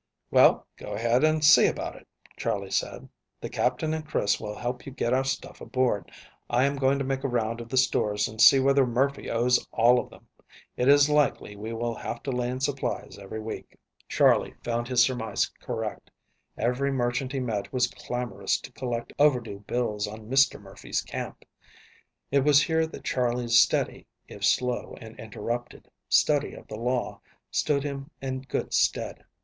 "Well, go ahead, and see about it," Charley said. "The Captain and Chris will help you get our stuff aboard. I am going to make a round of the stores and see whether Murphy owes all of them. It is likely we will have to lay in supplies every week." Charley found his surmise correct. Every merchant he met was clamorous to collect overdue bills on Mr. Murphy's camp. It was here that Charley's steady, if slow and interrupted, study of the law stood him in good stead.